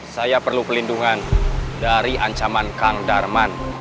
saya perlu pelindungan dari ancaman kang darman